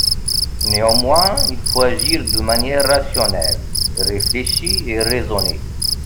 Néanmoins, il faut agir de manière rationnelle, réfléchie et raisonnée.